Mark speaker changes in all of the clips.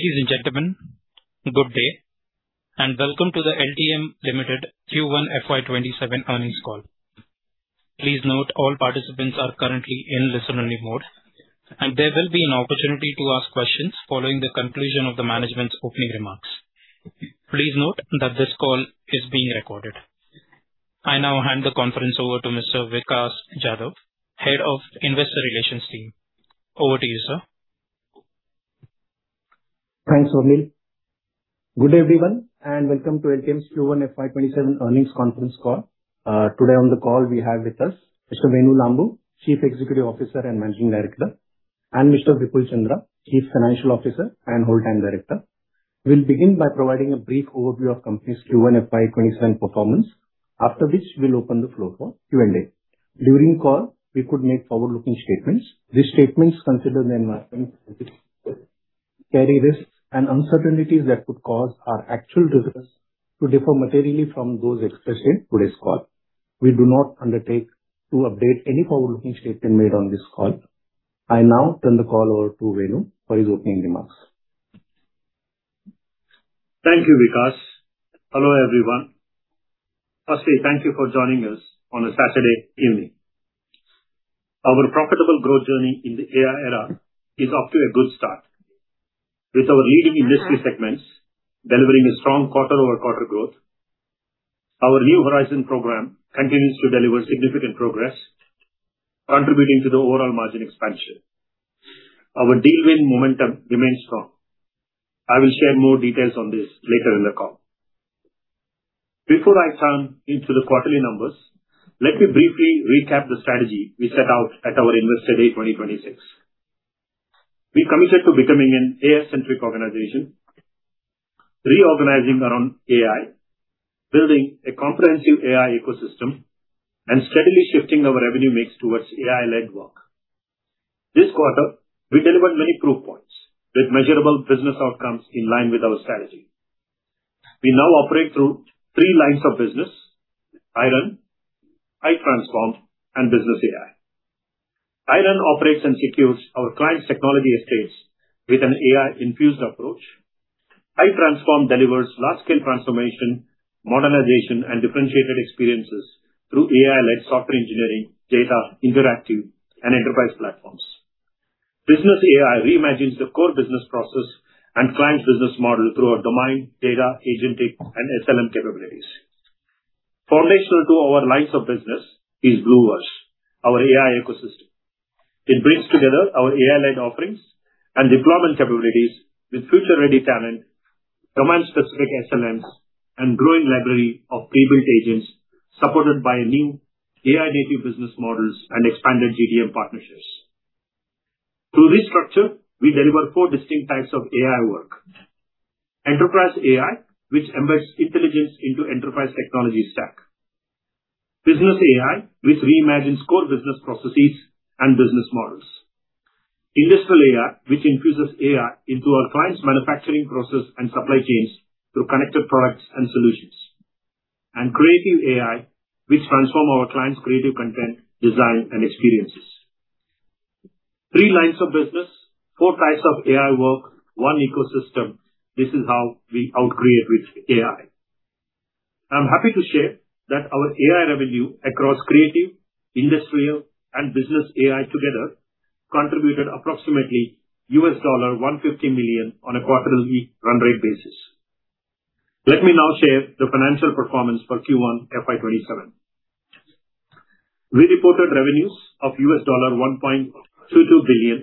Speaker 1: Ladies and gentlemen, good day, and welcome to the LTM Limited Q1 FY 2027 Earnings Call. Please note all participants are currently in listen-only mode, and there will be an opportunity to ask questions following the conclusion of the management's opening remarks. Please note that this call is being recorded. I now hand the conference over to Mr. Vikas Jadhav, Head of Investor Relations team. Over to you, sir.
Speaker 2: Thanks, Sunil. Good day, everyone, and welcome to LTM's Q1 FY 2027 Earnings Conference Call. Today on the call we have with us Mr. Venu Lambu, Chief Executive Officer and Managing Director, and Mr. Vipul Chandra, Chief Financial Officer and Whole Time Director. We will begin by providing a brief overview of company's Q1 FY 2027 performance, after which we will open the floor for Q&A. During call, we could make forward-looking statements. These statements consider the environment carry risks and uncertainties that could cause our actual results to differ materially from those expressed in today's call. We do not undertake to update any forward-looking statement made on this call. I now turn the call over to Venu for his opening remarks.
Speaker 3: Thank you, Vikas. Hello, everyone. Firstly, thank you for joining us on a Saturday evening. Our profitable growth journey in the AI era is off to a good start, with our leading industry segments delivering a strong quarter-over-quarter growth. Our New Horizon program continues to deliver significant progress, contributing to the overall margin expansion. Our deal win momentum remains strong. I will share more details on this later in the call. Before I turn into the quarterly numbers, let me briefly recap the strategy we set out at our Investor Day 2026. We committed to becoming an AI-centric organization, reorganizing around AI, building a comprehensive AI ecosystem, and steadily shifting our revenue mix towards AI-led work. This quarter, we delivered many proof points with measurable business outcomes in line with our strategy. We now operate through three lines of business iRun, iTransform, and Business AI. iRun operates and secures our clients' technology estates with an AI-infused approach. iTransform delivers large-scale transformation, modernization, and differentiated experiences through AI-led software engineering, data, interactive, and enterprise platforms. Business AI reimagines the core business process and clients' business model through our domain, data, agentic, and SLM capabilities. Foundational to our lines of business is BlueVerse, our AI ecosystem. It brings together our AI-led offerings and deployment capabilities with future-ready talent, domain-specific SLMs, and growing library of prebuilt agents supported by new AI-native business models and expanded GTM partnerships. Through this structure, we deliver four distinct types of AI work. Enterprise AI, which embeds intelligence into enterprise technology stack. Business AI, which reimagines core business processes and business models. Industrial AI, which infuses AI into our clients' manufacturing process and supply chains through connected products and solutions. Creative AI, which transform our clients' creative content, design, and experiences. Three lines of business, four types of AI work, one ecosystem. This is how we out-create with AI. I'm happy to share that our AI revenue across Creative AI, Industrial AI, and Business AI together contributed approximately $150 million on a quarterly run-rate basis. Let me now share the financial performance for Q1 FY 2027. We reported revenues of $1.22 billion,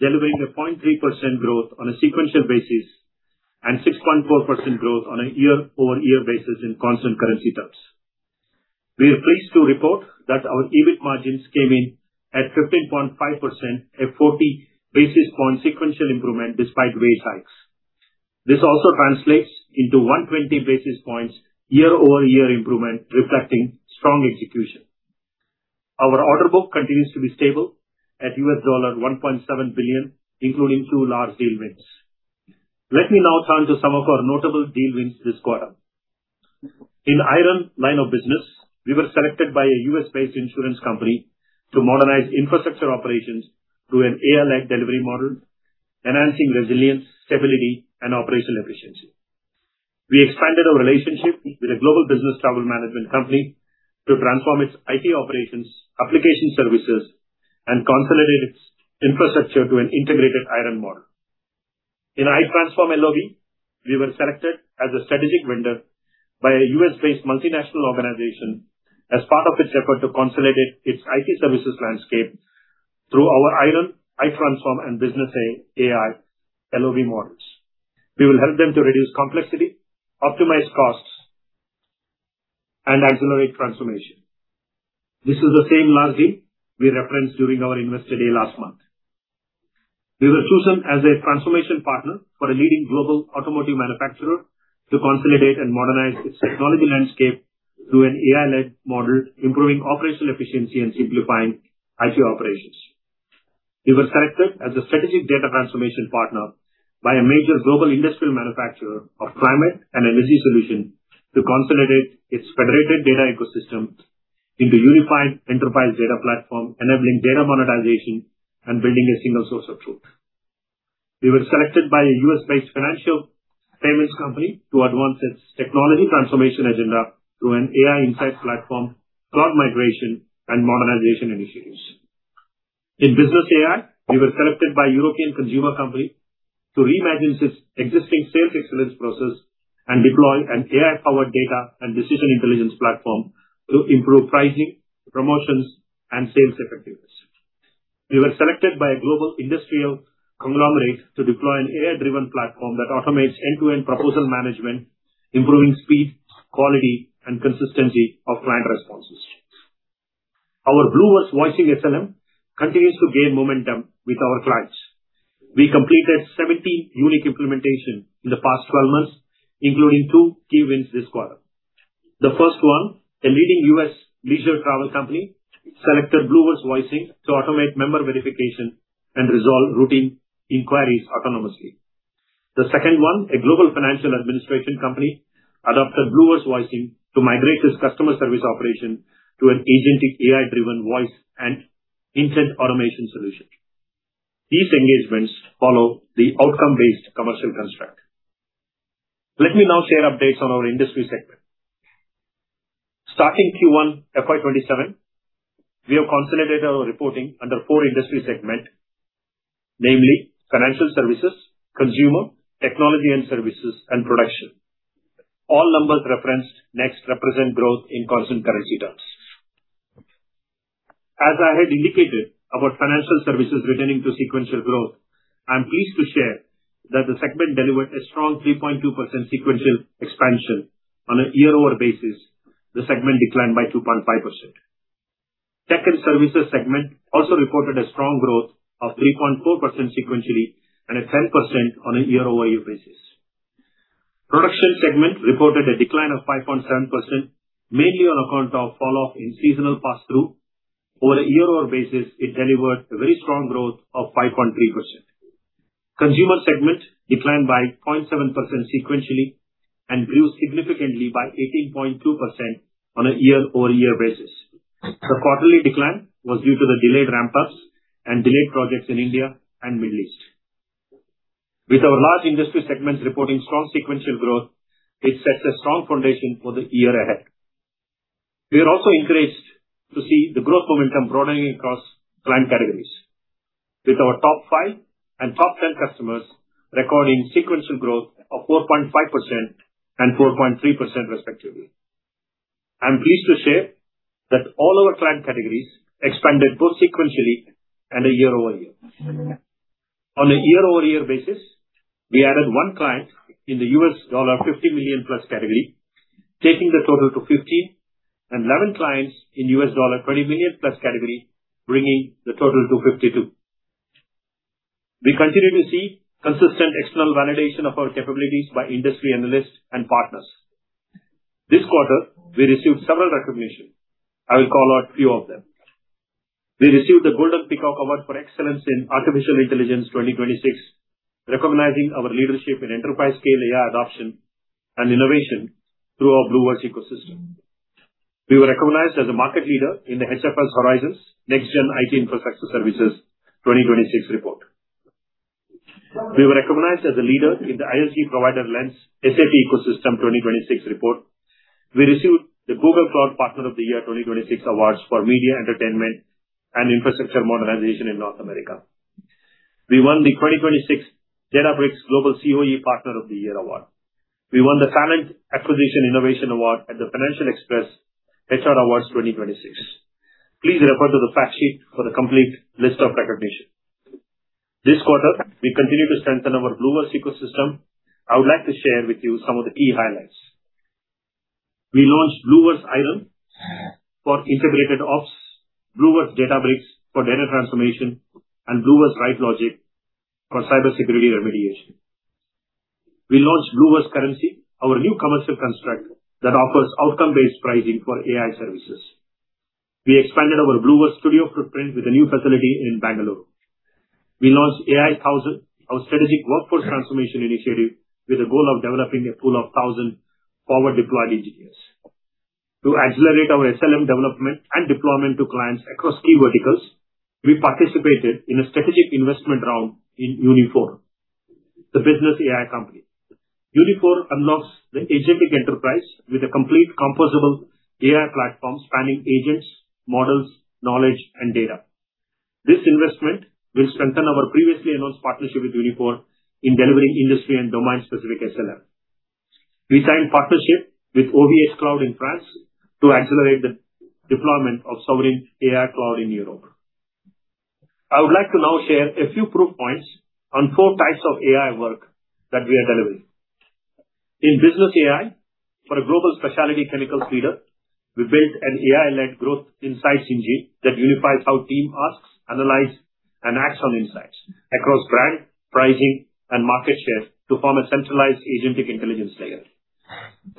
Speaker 3: delivering a 0.3% growth on a sequential basis and 6.4% growth on a year-over-year basis in constant currency terms. We are pleased to report that our EBIT margins came in at 15.5%, a 40 basis point sequential improvement despite wage hikes. This also translates into 120 basis points year-over-year improvement, reflecting strong execution. Our order book continues to be stable at $1.7 billion, including two large deal wins. Let me now turn to some of our notable deal wins this quarter. In iRun line of business, we were selected by a U.S.-based insurance company to modernize infrastructure operations through an AI-led delivery model, enhancing resilience, stability, and operational efficiency. We expanded our relationship with a global business travel management company to transform its IT operations, application services, and consolidate its infrastructure to an integrated iRun model. In iTransform LoB, we were selected as a strategic vendor by a U.S.-based multinational organization as part of its effort to consolidate its IT services landscape through our iRun, iTransform, and Business AI LoB models. We will help them to reduce complexity, optimize costs, and accelerate transformation. This is the same large deal we referenced during our Investor Day last month. We were chosen as a transformation partner for a leading global automotive manufacturer to consolidate and modernize its technology landscape through an AI-led model, improving operational efficiency and simplifying IT operations. We were selected as a strategic data transformation partner by a major global industrial manufacturer of climate and energy solution to consolidate its federated data ecosystem into unified enterprise data platform, enabling data monetization and building a single source of truth. We were selected by a U.S.-based financial payments company to advance its technology transformation agenda through an AI insight platform, cloud migration, and modernization initiatives. In Business AI, we were selected by a European consumer company to reimagine its existing sales excellence process and deploy an AI-powered data and decision intelligence platform to improve pricing, promotions, and sales effectiveness. We were selected by a global industrial conglomerate to deploy an AI-driven platform that automates end-to-end proposal management, improving speed, quality, and consistency of client responses. Our Blueworx Voicing SLM continues to gain momentum with our clients. We completed 70 unique implementations in the past 12 months, including two key wins this quarter. The first one, a leading U.S. leisure travel company, selected Blueworx Voicing to automate member verification and resolve routine inquiries autonomously. The second one, a global financial administration company, adopted Blueworx Voicing to migrate its customer service operation to an agentic AI-driven voice and intent automation solution. These engagements follow the outcome-based commercial construct. Let me now share updates on our industry segment. Starting Q1 FY 2027, we have consolidated our reporting under four industry segments, namely Financial Services, Consumer, Technology and Services, and Production. All numbers referenced next represent growth in constant currency terms. As I had indicated, our Financial Services returning to sequential growth, I'm pleased to share that the segment delivered a strong 3.2% sequential expansion. On a year-over basis, the segment declined by 2.5%. Tech and services segment also reported a strong growth of 3.4% sequentially and a 10% on a year-over-year basis. Production segment reported a decline of 5.7%, mainly on account of falloff in seasonal pass-through. Over a year-over-year basis, it delivered a very strong growth of 5.3%. Consumer segment declined by 0.7% sequentially and grew significantly by 18.2% on a year-over-year basis. The quarterly decline was due to the delayed ramp-ups and delayed projects in India and Middle East. With our large industry segments reporting strong sequential growth, it sets a strong foundation for the year ahead. We are also encouraged to see the growth momentum broadening across client categories, with our top five and top 10 customers recording sequential growth of 4.5% and 4.3% respectively. I am pleased to share that all our client categories expanded both sequentially and year-over-year. On a year-over-year basis, we added one client in the $50 million+ category, taking the total to 15, and 11 clients in $20 million+ category, bringing the total to 52. We continue to see consistent external validation of our capabilities by industry analysts and partners. This quarter, we received several recognitions. I will call out few of them. We received the Golden Peacock Award for Excellence in Artificial Intelligence 2026, recognizing our leadership in enterprise-scale AI adoption and innovation through our Blueworx ecosystem. We were recognized as a market leader in the HFS Horizons Next-gen IT Infrastructure Services 2026 report. We were recognized as a leader in the ISG Provider Lens SAP Ecosystem 2026 report. We received the Google Cloud Partner of the Year 2026 awards for media entertainment and infrastructure modernization in North America. We won the 2026 Databricks Global COE Partner of the Year award. We won the Talent Acquisition Innovation Award at the Financial Express HR Awards 2026. Please refer to the fact sheet for the complete list of recognition. This quarter, we continue to strengthen our Blueworx ecosystem. I would like to share with you some of the key highlights. We launched Blueworx IDOL for integrated ops, Blueworx Databricks for data transformation, and Blueworx WriteLogic for cybersecurity remediation. We launched Blueworx Currency, our new commercial construct that offers outcome-based pricing for AI services. We expanded our Blueworx Studio footprint with a new facility in Bangalore. We launched AI Thousand, our strategic workforce transformation initiative with a goal of developing a pool of 1,000 forward-deployed engineers. To accelerate our SLM development and deployment to clients across key verticals, we participated in a strategic investment round in Uniphore, the Business AI company. Uniphore unlocks the agentic enterprise with a complete composable AI platform spanning agents, models, knowledge, and data. This investment will strengthen our previously announced partnership with Uniphore in delivering industry and domain-specific SLM. We signed partnership with OVHcloud in France to accelerate the deployment of sovereign AI cloud in Europe. I would like to now share a few proof points on four types of AI work that we are delivering. In Business AI, for a global specialty chemicals leader, we built an AI-led growth insights engine that unifies how team asks, analyze, and acts on insights across brand, pricing, and market share to form a centralized agentic intelligence layer.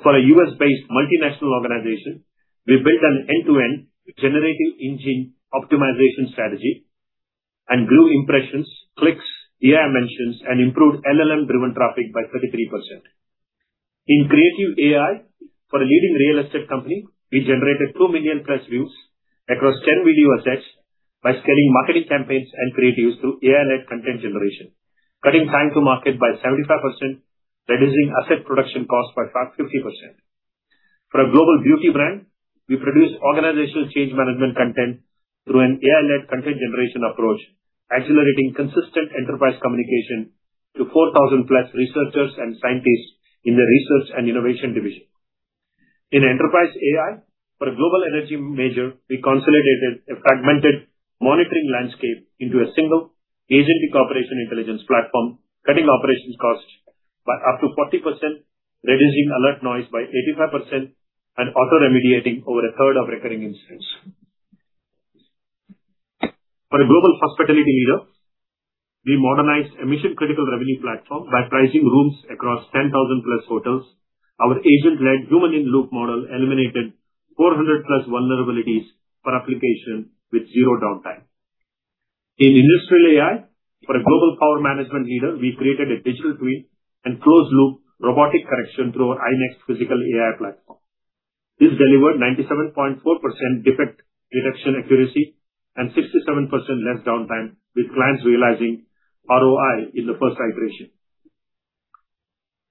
Speaker 3: For a U.S.-based multinational organization, we built an end-to-end generative engine optimization strategy and grew impressions, clicks, AI mentions, and improved LLM-driven traffic by 33%. In Creative AI for a leading real estate company, we generated 2 million+ views across 10 video assets by scaling marketing campaigns and creatives through AI-led content generation, cutting time to market by 75%, reducing asset production cost by 50%. For a global beauty brand, we produced organizational change management content through an AI-led content generation approach, accelerating consistent enterprise communication to 4,000+ researchers and scientists in the research and innovation division. In Enterprise AI for a global energy major, we consolidated a fragmented monitoring landscape into a single agent cooperation intelligence platform, cutting operations costs by up to 40%, reducing alert noise by 85%, and auto-remediating over a third of recurring incidents. For a global hospitality leader, we modernized a mission-critical revenue platform by pricing rooms across 10,000+ hotels. Our agent-led human-in-the-loop model eliminated 400+ vulnerabilities per application with zero downtime. In Industrial AI for a global power management leader, we created a digital twin and closed loop robotic correction through our iNXT Physical AI platform. This delivered 97.4% defect reduction accuracy and 67% less downtime, with clients realizing ROI in the first iteration.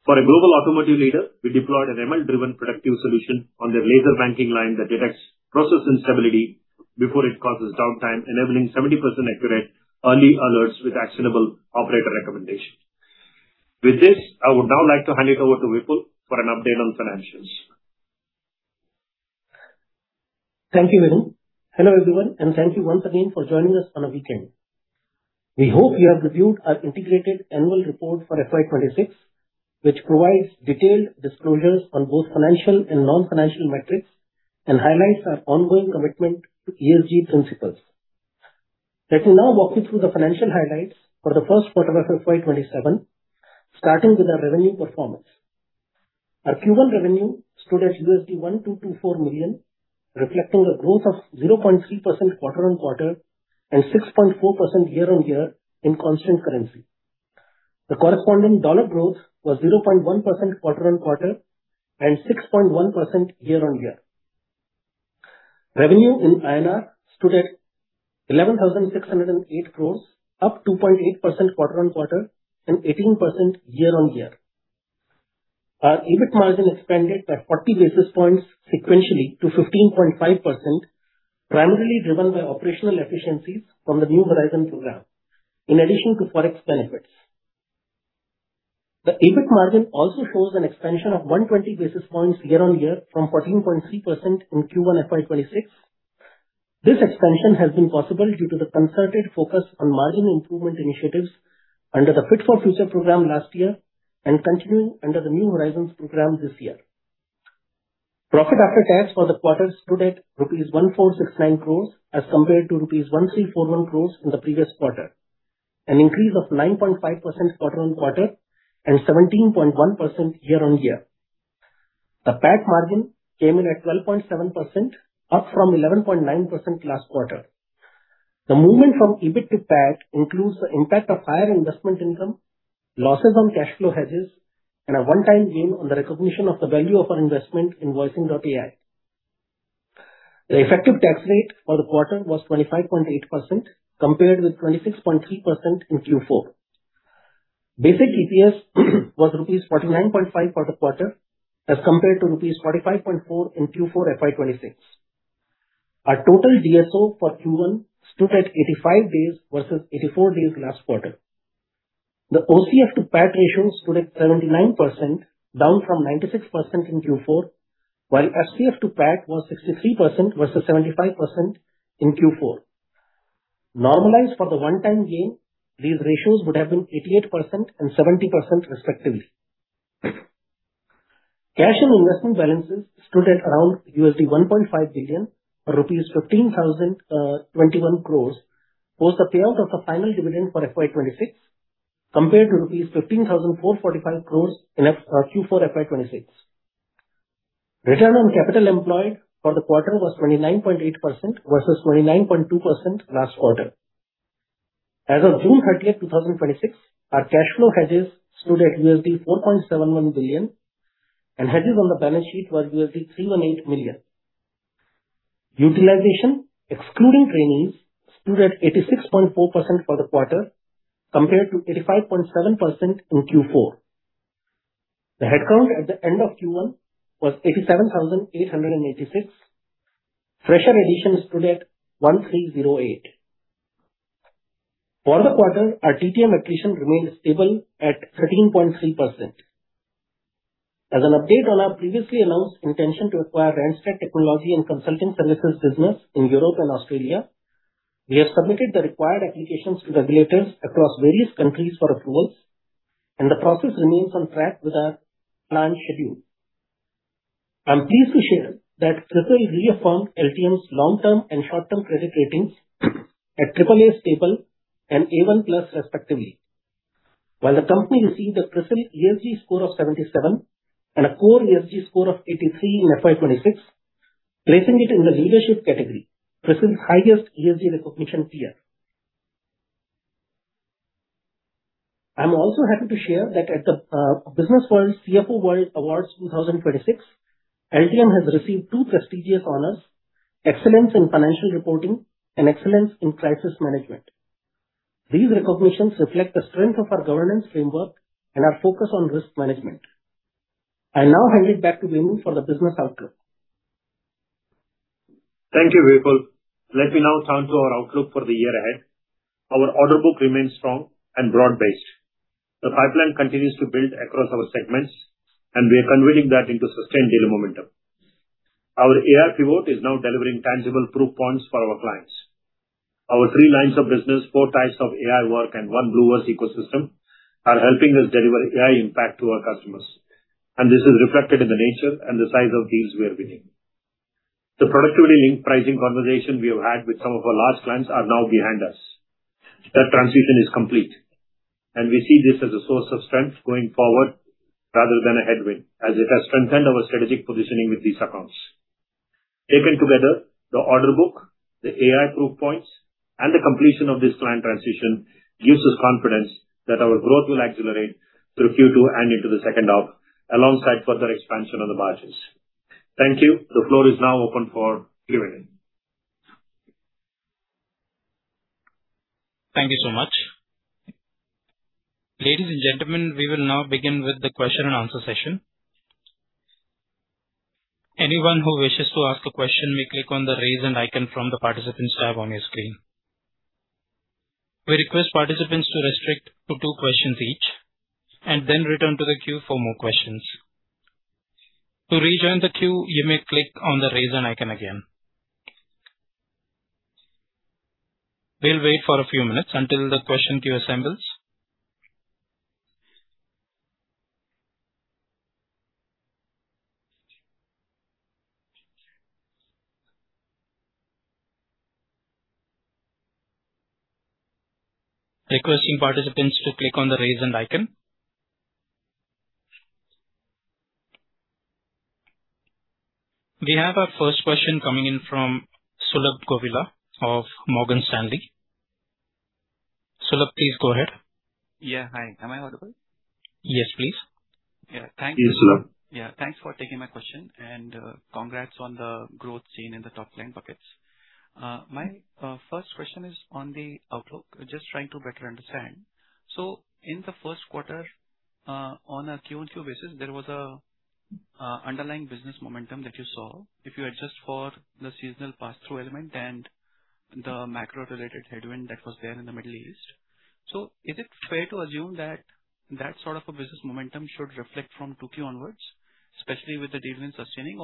Speaker 3: For a global automotive leader, we deployed an ML-driven predictive solution on their laser blanking line that detects process instability before it causes downtime, enabling 70% accurate early alerts with actionable operator recommendations. With this, I would now like to hand it over to Vipul for an update on financials.
Speaker 4: Thank you, Venu. Hello, everyone, and thank you once again for joining us on a weekend. We hope you have reviewed our integrated annual report for FY 2026, which provides detailed disclosures on both financial and non-financial metrics and highlights our ongoing commitment to ESG principles. Let me now walk you through the financial highlights for the first quarter for FY 2027, starting with our revenue performance. Our Q1 revenue stood at $1,224 million, reflecting a growth of 0.3% quarter-on-quarter and 6.4% year-on-year in constant currency. The corresponding dollar growth was 0.1% quarter-on-quarter and 6.1% year-on-year. Revenue in INR stood at 11,608 crores, up 2.8% quarter-on-quarter and 18% year-on-year. Our EBIT margin expanded by 40 basis points sequentially to 15.5%, primarily driven by operational efficiencies from the New Horizon program, in addition to Forex benefits. The EBIT margin also shows an expansion of 120 basis points year-on-year from 14.3% in Q1 FY 2026. This expansion has been possible due to the concerted focus on margin improvement initiatives under the Fit for Future program last year and continuing under the New Horizons program this year. Profit after tax for the quarter stood at rupees 1,469 crores as compared to rupees 1,341 crores in the previous quarter, an increase of 9.5% quarter-on-quarter and 17.1% year-on-year. The PAT margin came in at 12.7%, up from 11.9% last quarter. The movement from EBIT to PAT includes the impact of higher investment income, losses on cash flow hedges, and a one-time gain on the recognition of the value of our investment in Voicing.AI. The effective tax rate for the quarter was 25.8%, compared with 26.3% in Q4. Basic EPS was rupees 49.5 for the quarter as compared to rupees 45.4 in Q4 FY 2026. Our total DSO for Q1 stood at 85 days versus 84 days last quarter. The OCF to PAT ratio stood at 79%, down from 96% in Q4, while FCF to PAT was 63% versus 75% in Q4. Normalized for the one-time gain, these ratios would have been 88% and 70%, respectively. Cash and investment balances stood at around $1.5 billion or rupees 15,021 crores, post the payout of the final dividend for FY 2026, compared to rupees 15,445 crores in Q4 FY 2026. Return on capital employed for the quarter was 29.8% versus 29.2% last quarter. As of June 30th, 2026, our cash flow hedges stood at $4.71 billion and hedges on the balance sheet were $308 million. Utilization, excluding trainees, stood at 86.4% for the quarter, compared to 85.7% in Q4. The headcount at the end of Q1 was 87,886. Fresher additions stood at 1,308. For the quarter, our TTM attrition remained stable at 13.3%. As an update on our previously announced intention to acquire Randstad Technology and Consulting Services business in Europe and Australia, we have submitted the required applications to regulators across various countries for approvals, and the process remains on track with our planned schedule. I'm pleased to share that CRISIL reaffirmed LTM's long-term and short-term credit ratings at AAA stable and A1+ respectively. While the company received a CRISIL ESG score of 77 and a core ESG score of 83 in FY 2026, placing it in the leadership category, CRISIL's highest ESG recognition tier. I'm also happy to share that at the Businessworld CFO World Awards 2026, LTM has received two prestigious honors, excellence in financial reporting and excellence in crisis management. These recognitions reflect the strength of our governance framework and our focus on risk management. I now hand it back to Venu for the business outlook.
Speaker 3: Thank you, Vipul. Let me now turn to our outlook for the year ahead. Our order book remains strong and broad-based. The pipeline continues to build across our segments, and we are converting that into sustained daily momentum. Our AI pivot is now delivering tangible proof points for our clients. Our three lines of business, four types of AI work, and one BlueVerse ecosystem are helping us deliver AI impact to our customers, and this is reflected in the nature and the size of deals we are winning. The productivity link pricing conversation we have had with some of our large clients are now behind us. That transition is complete, and we see this as a source of strength going forward rather than a headwind, as it has strengthened our strategic positioning with these accounts. Taken together, the order book, the AI proof points, and the completion of this client transition gives us confidence that our growth will accelerate through Q2 and into the second half, alongside further expansion on the margins. Thank you. The floor is now open for Q&A.
Speaker 1: Thank you so much. Ladies and gentlemen, we will now begin with the question and answer session. Anyone who wishes to ask a question may click on the raise hand icon from the participants tab on your screen. We request participants to restrict to two questions each and then return to the queue for more questions. To rejoin the queue, you may click on the raise hand icon again. We will wait for a few minutes until the question queue assembles. Requesting participants to click on the raise hand icon. We have our first question coming in from Sulabh Govila of Morgan Stanley. Sulabh, please go ahead.
Speaker 5: Yeah. Hi. Am I audible?
Speaker 1: Yes, please.
Speaker 3: Yes.
Speaker 5: Thanks for taking my question, congrats on the growth seen in the top-line buckets. My first question is on the outlook. Just trying to better understand. In the first quarter, on a QoQ basis, there was an underlying business momentum that you saw if you adjust for the seasonal pass-through element and the macro-related headwind that was there in the Middle East. Is it fair to assume that that sort of a business momentum should reflect from 2Q onwards, especially with the deal wins sustaining?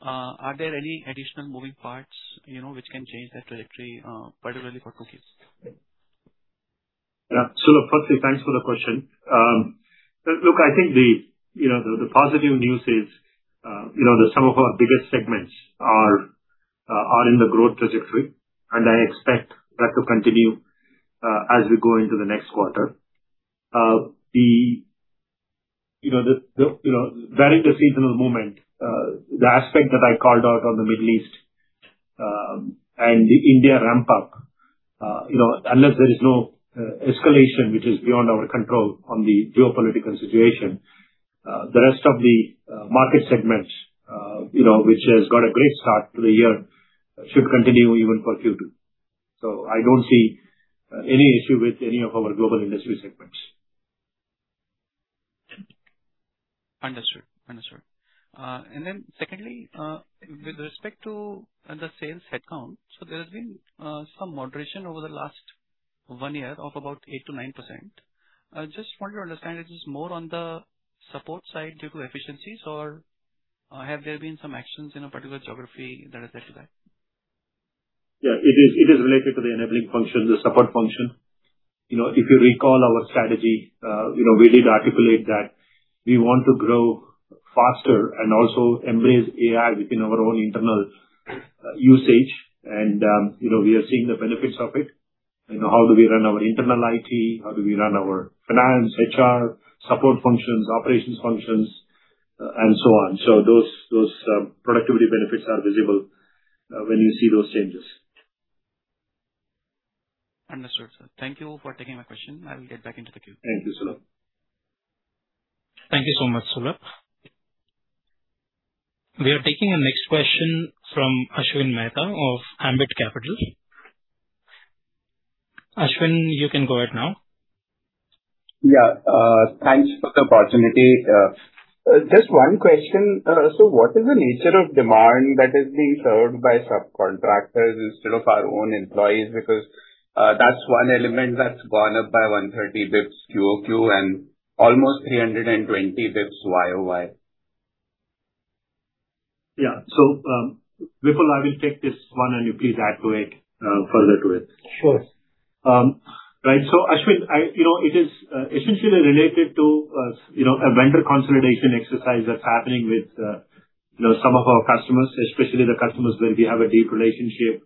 Speaker 5: Are there any additional moving parts which can change that trajectory, particularly for 2Q?
Speaker 3: Yeah. Sulabh, firstly, thanks for the question. Look, I think the positive news is that some of our biggest segments are in the growth trajectory, I expect that to continue as we go into the next quarter. Barring the seasonal movement, the aspect that I called out on the Middle East, the India ramp-up, unless there is no escalation which is beyond our control on the geopolitical situation, the rest of the market segments which has got a great start to the year should continue even for Q2. I don't see any issue with any of our global industry segments.
Speaker 5: Understood. Secondly, with respect to the sales headcount, there has been some moderation over the last one year of about 8%-9%. Just want to understand, is this more on the support side due to efficiencies, or have there been some actions in a particular geography that has led to that?
Speaker 3: Yeah, it is related to the enabling function, the support function. If you recall our strategy, we did articulate that we want to grow faster and also embrace AI within our own internal usage, we are seeing the benefits of it. How do we run our internal IT? How do we run our finance, HR, support functions, operations functions, and so on. Those productivity benefits are visible when you see those changes.
Speaker 5: Understood, sir. Thank you for taking my question. I will get back into the queue.
Speaker 3: Thank you, Sulabh.
Speaker 1: Thank you so much, Sulabh. We are taking our next question from Ashwin Mehta of Ambit Capital. Ashwin, you can go ahead now.
Speaker 6: Thanks for the opportunity. Just one question. What is the nature of demand that is being served by subcontractors instead of our own employees? That's one element that's gone up by 130 basis points QoQ and almost 320 basis points YoY.
Speaker 3: Yeah. Vipul, I will take this one, and you please add to it, further to it.
Speaker 4: Sure.
Speaker 3: Right. Ashwin, it is essentially related to a vendor consolidation exercise that's happening with some of our customers, especially the customers where we have a deep relationship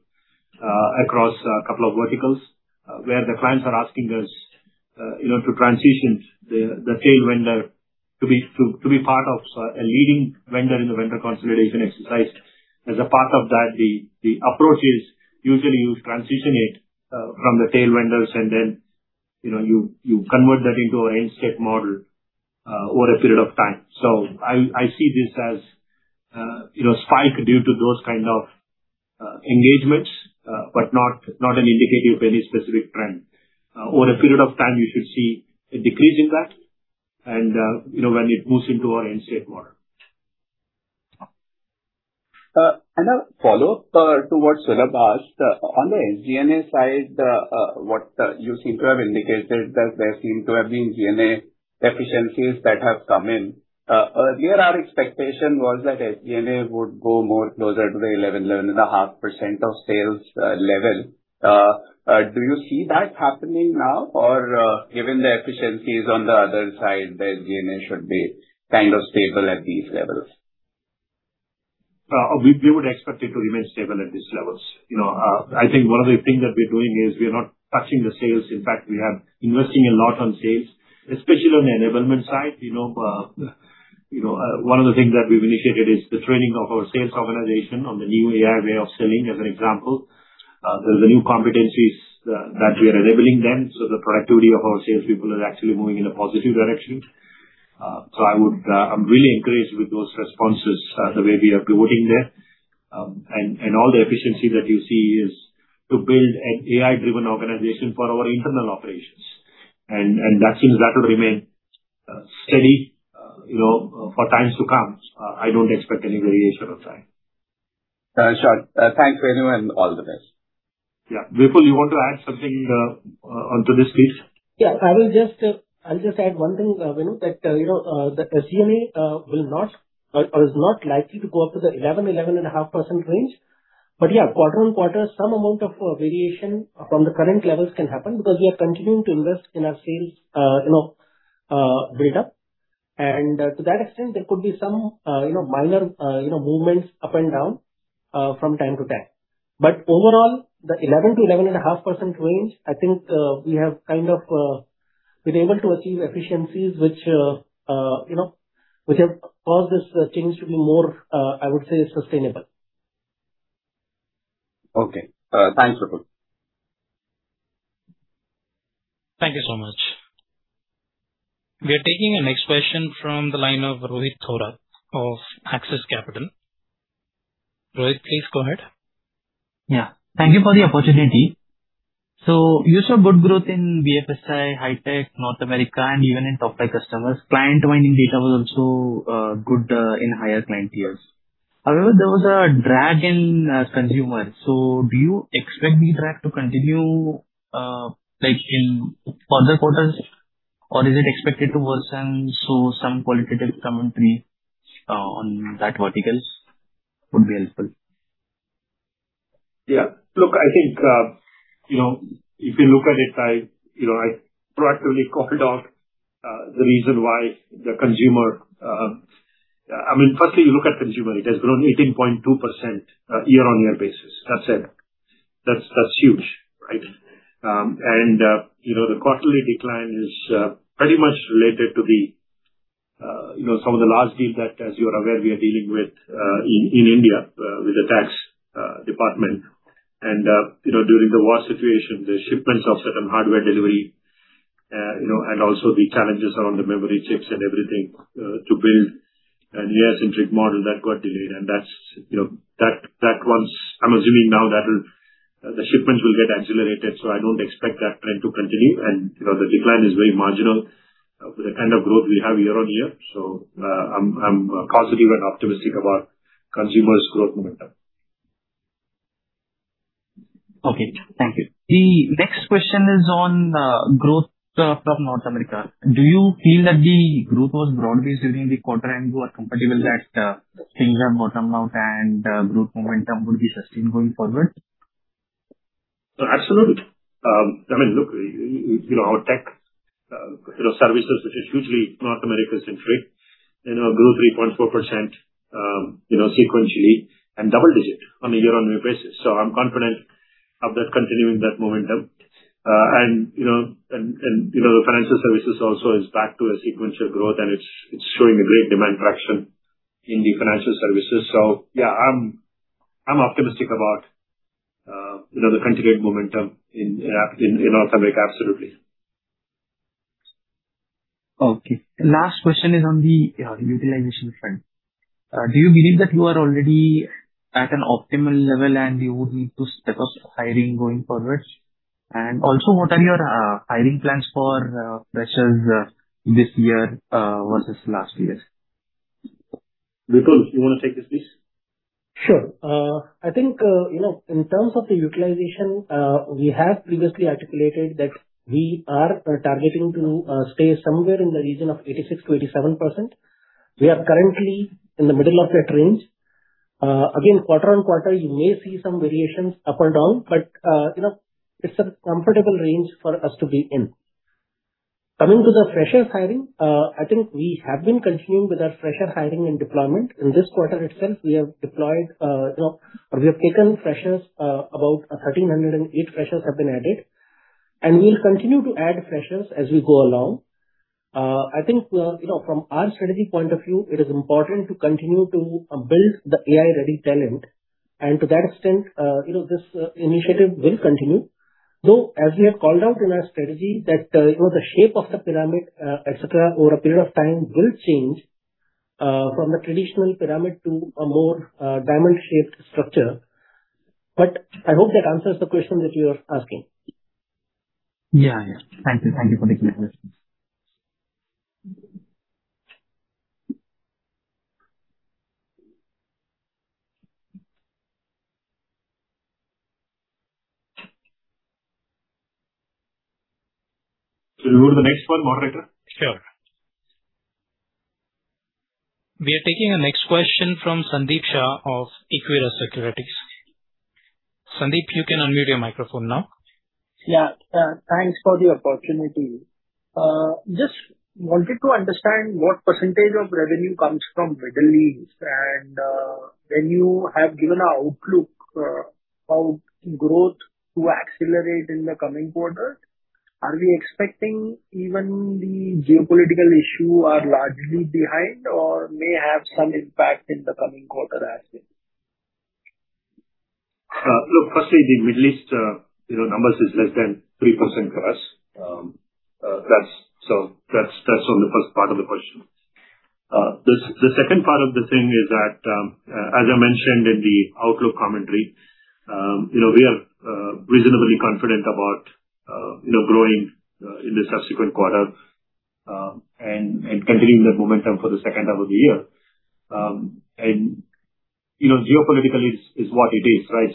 Speaker 3: across a couple of verticals, where the clients are asking us to transition the failed vendor to be part of a leading vendor in the vendor consolidation exercise. As a part of that, the approach is usually you transition it from the tail vendors and then you convert that into an end-state model over a period of time. I see this as a spike due to those kind of engagements, but not an indicative of any specific trend. Over a period of time, you should see a decrease in that and when it moves into our end-state model.
Speaker 6: A follow-up to what Sulabh asked. On the SG&A side, what you seem to have indicated that there seem to have been G&A efficiencies that have come in. Earlier, our expectation was that SG&A would go more closer to the 11%-11.5% of sales level. Do you see that happening now? Or given the efficiencies on the other side, the SG&A should be kind of stable at these levels?
Speaker 3: We would expect it to remain stable at these levels. I think one of the things that we're doing is we're not touching the sales. In fact, we are investing a lot on sales, especially on the enablement side. One of the things that we've initiated is the training of our sales organization on the new AI way of selling, as an example. There's new competencies that we are enabling them, so the productivity of our sales people is actually moving in a positive direction. I'm really encouraged with those responses, the way we are pivoting there. All the efficiency that you see is to build an AI-driven organization for our internal operations. That will remain steady for times to come. I don't expect any variation of time.
Speaker 6: Sure. Thanks, Venu, and all the best.
Speaker 3: Yeah. Vipul, you want to add something onto this, please?
Speaker 4: Yeah, I'll just add one thing, Venu, that the SG&A is not likely to go up to the 11.5% range. Yeah, quarter-on-quarter, some amount of variation from the current levels can happen because we are continuing to invest in our sales data. To that extent, there could be some minor movements up and down from time-to-time. Overall, the 11%-11.5% range, I think we have kind of been able to achieve efficiencies which have caused this change to be more, I would say, sustainable.
Speaker 6: Okay. Thanks, Vipul.
Speaker 1: Thank you so much. We are taking the next question from the line of Rohit Thorat of Axis Capital. Rohit, please go ahead.
Speaker 7: Yeah. Thank you for the opportunity. You saw good growth in BFSI, High-Tech, North America, and even in top five customers. Client winning data was also good in higher client tiers. However, there was a drag in Consumer. Do you expect the drag to continue in further quarters or is it expected to worsen? Some qualitative commentary on that verticals would be helpful.
Speaker 3: Yeah. Look, I think, if you look at it, I proactively called out the reason why the Consumer. Firstly, you look at Consumer, it has grown 18.2% year-on-year basis. That's it. That's huge, right? The quarterly decline is pretty much related to some of the large deals that, as you are aware, we are dealing with in India with the tax department. During the war situation, the shipments of certain hardware delivery, and also the challenges around the memory chips and everything to build an AI-centric model that got delayed. I'm assuming now the shipments will get accelerated, so I don't expect that trend to continue, and the decline is very marginal for the kind of growth we have year-on-year. I'm positive and optimistic about Consumer's growth momentum.
Speaker 7: Okay. Thank you. The next question is on growth from North America. Do you feel that the group was broadly sitting in the quarter and you are comfortable that things are bottomed out and growth momentum would be sustained going forward?
Speaker 3: Absolutely. Look, our tech services, which is hugely North America-centric, grew 3.4% sequentially and double-digit on a year-on-year basis. I'm confident of that continuing that momentum. The financial services also is back to a sequential growth, and it's showing a great demand traction in the financial services. Yeah, I'm optimistic about the continued momentum in North America. Absolutely.
Speaker 7: Okay. Last question is on the utilization front. Do you believe that you are already at an optimal level, and you would need to step up hiring going forward? Also, what are your hiring plans for freshers this year versus last year?
Speaker 3: Vipul, you want to take this, please?
Speaker 4: Sure. I think, in terms of the utilization, we have previously articulated that we are targeting to stay somewhere in the region of 86%-87%. We are currently in the middle of that range. Again, quarter-on-quarter, you may see some variations up and down, but it's a comfortable range for us to be in. Coming to the freshers hiring, I think we have been continuing with our fresher hiring and deployment. In this quarter itself, we have taken freshers, about 1,308 freshers have been added. We'll continue to add freshers as we go along. I think from our strategy point of view, it is important to continue to build the AI-ready talent. To that extent this initiative will continue, though, as we have called out in our strategy that the shape of the pyramid, et cetera, over a period of time will change, from the traditional pyramid to a more diamond-shaped structure. I hope that answers the question that you are asking.
Speaker 7: Yeah. Thank you for the clear answers.
Speaker 3: Should we go to the next one, moderator?
Speaker 1: Sure. We are taking our next question from Sandeep Shah of Equirus Securities. Sandeep, you can unmute your microphone now.
Speaker 8: Yeah. Thanks for the opportunity. Just wanted to understand what percentage of revenue comes from Middle East and when you have given an outlook about growth to accelerate in the coming quarter, are we expecting even the geopolitical issue are largely behind or may have some impact in the coming quarter as well?
Speaker 3: Look, firstly, the Middle East numbers is less than 3% for us. That's on the first part of the question. The second part of the thing is that, as I mentioned in the outlook commentary, we are reasonably confident about growing in the subsequent quarter, and continuing that momentum for the second half of the year. Geopolitical is what it is, right?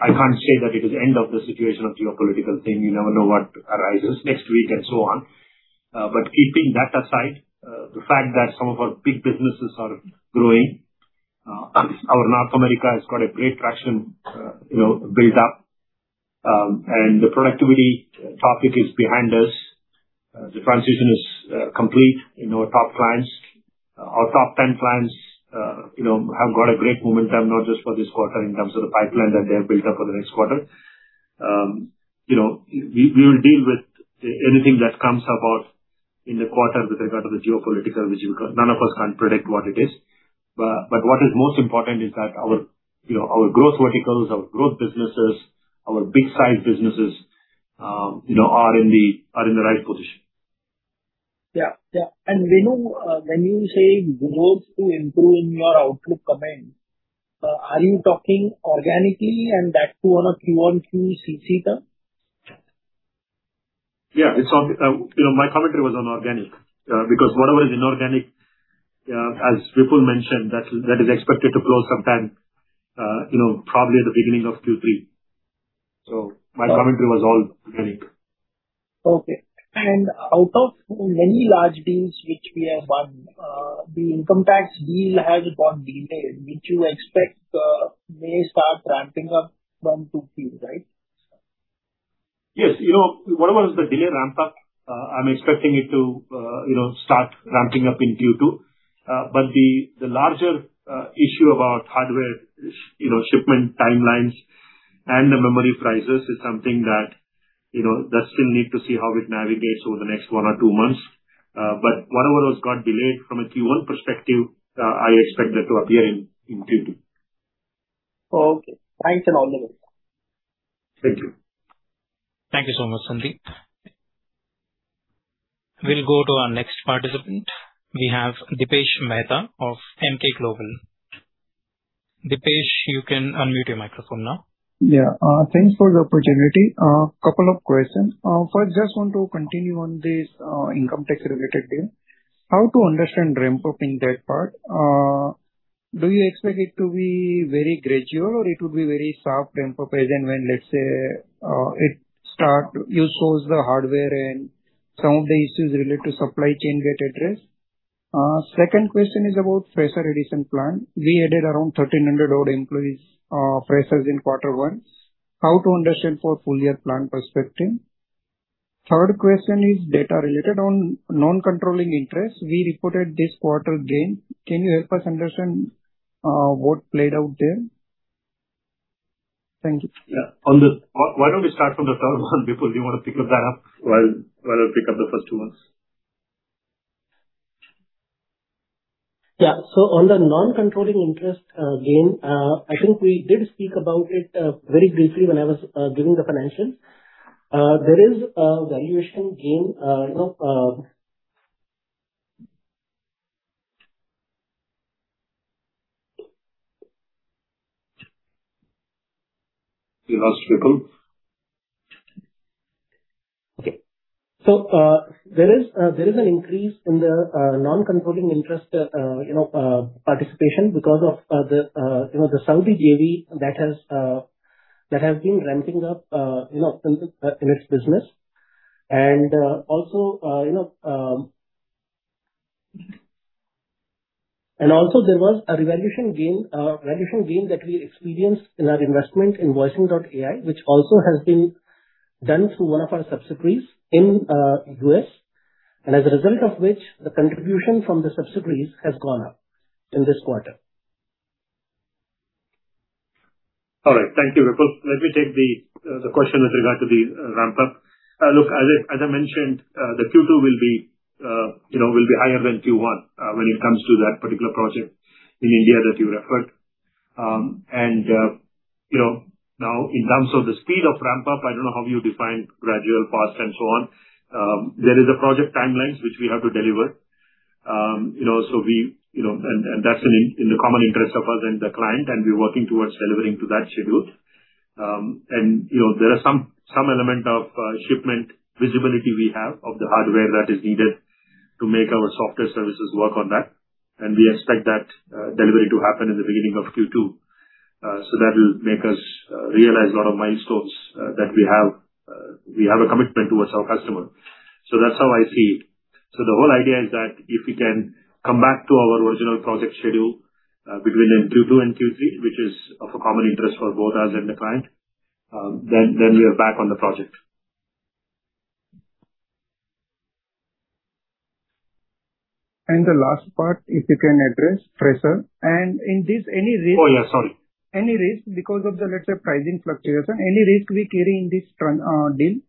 Speaker 3: I can't say that it is end of the situation of geopolitical thing. You never know what arises next week and so on. Keeping that aside, the fact that some of our big businesses are growing, our North America has got a great traction build-up. The productivity topic is behind us. The transition is complete in our top clients. Our top 10 clients have got a great momentum, not just for this quarter in terms of the pipeline that they have built up for the next quarter. We will deal with anything that comes about in the quarter with regard to the geopolitical issue, because none of us can predict what it is. What is most important is that our growth verticals, our growth businesses, our big size businesses are in the right position.
Speaker 8: Yeah. Venu, when you say growth to improve in your outlook comment, are you talking organically and back to one of QoQ CC term?
Speaker 3: Yeah. My commentary was on organic. Whatever is inorganic, as Vipul mentioned, that is expected to close sometime, probably at the beginning of Q3. My commentary was all organic.
Speaker 8: Okay. Out of many large deals which we have won, the income tax deal has got delayed, which you expect may start ramping-up from Q2, right?
Speaker 3: Yes. Whatever is the delay ramp-up, I'm expecting it to start ramping-up in Q2. The larger issue about hardware shipment timelines and the memory prices is something that still need to see how it navigates over the next one or two months. Whatever has got delayed from a Q1 perspective, I expect that to appear in Q2.
Speaker 8: Okay. Thanks and all the best.
Speaker 3: Thank you.
Speaker 1: Thank you so much, Sandeep. We'll go to our next participant. We have Dipesh Mehta of Emkay Global. Dipesh, you can unmute your microphone now.
Speaker 9: Yeah. Thanks for the opportunity. Couple of questions. First, just want to continue on this income tax related deal. How to understand ramp-up in that part? Do you expect it to be very gradual or it would be very sharp ramp-up as and when, let's say, it start, you source the hardware and some of the issues related to supply chain get addressed? Second question is about fresher addition plan. We added around 1,300 odd employees, freshers in quarter one. How to understand for full-year plan perspective? Third question is data related. On non-controlling interest, we reported this quarter gain. Can you help us understand what played out there? Thank you.
Speaker 3: Yeah. Why don't we start from the third one? Vipul, do you want to pick up that up? Why don't you pick up the first two ones?
Speaker 4: Yeah. On the non-controlling interest gain, I think we did speak about it very briefly when I was giving the financials. There is a valuation gain.
Speaker 3: We lost Vipul?
Speaker 4: Okay. There is an increase in the non-controlling interest participation because of the Saudi JV that has been ramping-up in its business. Also, there was a revaluation gain that we experienced in our investment in Voicing.AI, which also has been done through one of our subsidiaries in U.S. As a result of which, the contribution from the subsidiaries has gone up in this quarter.
Speaker 3: All right. Thank you, Vipul. Let me take the question with regard to the ramp-up. Look, as I mentioned, the Q2 will be higher than Q1 when it comes to that particular project in India that you referred. Now, in terms of the speed of ramp-up, I don't know how you define gradual, fast, and so on. There is a project timelines which we have to deliver. That's in the common interest of us and the client, and we're working towards delivering to that schedule. There are some element of shipment visibility we have of the hardware that is needed to make our software services work on that. We expect that delivery to happen in the beginning of Q2. That will make us realize a lot of milestones that we have a commitment towards our customer. That's how I see it. The whole idea is that if we can come back to our original project schedule between Q2 and Q3, which is of a common interest for both us and the client, then we are back on the project.
Speaker 9: The last part, if you can address fresher.
Speaker 3: Oh, yeah. Sorry.
Speaker 9: Any risk because of the, let's say, pricing fluctuation, any risk we carry in this deal